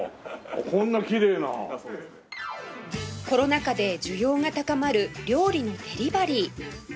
コロナ禍で需要が高まる料理のデリバリー